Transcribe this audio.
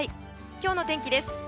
今日の天気です。